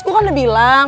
gue kan udah bilang